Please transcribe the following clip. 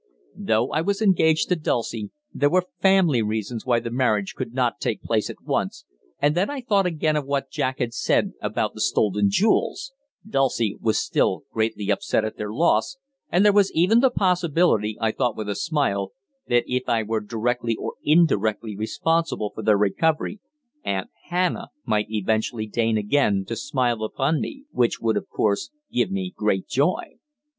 Though I was engaged to Dulcie, there were family reasons why the marriage could not take place at once, and then I thought again of what Jack had just said about the stolen jewels Dulcie was still greatly upset at their loss, and there was even the possibility, I thought with a smile, that if I were directly or indirectly responsible for their recovery Aunt Hannah might eventually deign again to smile upon me which would, of course, give me great joy!